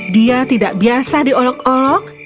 dia tidak biasa diolok olok